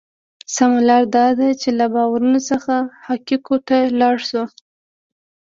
سمه لار دا ده چې له باورونو څخه حقایقو ته لاړ شو.